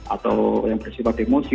atau yang bersifat emosi